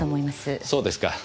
そうですか。